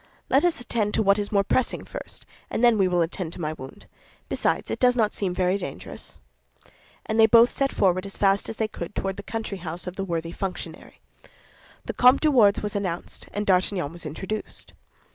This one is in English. Let us attend to what is more pressing first, and then we will attend to my wound; besides, it does not seem very dangerous." And they both set forward as fast as they could toward the country house of the worthy functionary. The Comte de Wardes was announced, and D'Artagnan was introduced.